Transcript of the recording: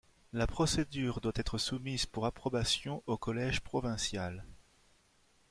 La procédure doit être soumise pour approbation au Collège provincial.